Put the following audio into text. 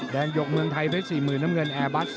หยกเมืองไทยเพชร๔๐๐๐น้ำเงินแอร์บัส